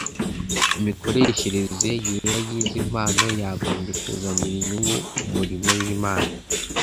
” Imikoreshereze yera y’izi mpano yagombye kuzanira inyungu umurimo w’Imana